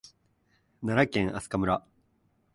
奈良県明日香村